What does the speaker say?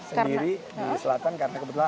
sendiri di selatan karena kebetulan